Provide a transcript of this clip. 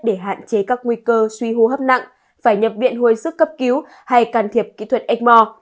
để hạn chế các nguy cơ suy hô hấp nặng phải nhập viện hồi sức cấp cứu hay can thiệp kỹ thuật ếchmore